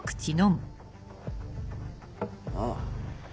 ああ。